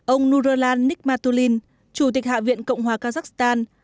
ông nurlan nikmatulin chủ tịch hạ viện cộng hòa kazakhstan